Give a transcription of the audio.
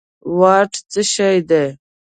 واټ څه شی دي